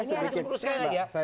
ini harus sepuluh kali ya